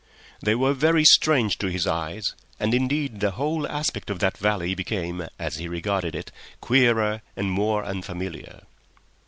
They were very strange to his eyes, and indeed the whole aspect of that valley became, as he regarded it, queerer and more unfamiliar.